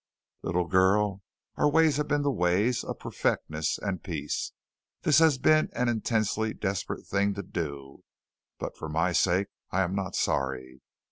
Little girl, our ways have been the ways of perfectness and peace. This has been an intensely desperate thing to do, but for my sake, I am not sorry.